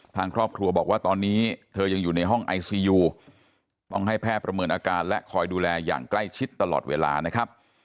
ทางครอบครัวบอกว่าตอนนี้เธอยังอยู่ในห้องไอซียูต้องให้แพทย์ประเมินอาการและคอยดูแลอย่างใกล้ชิดตลอดเวลานะครับ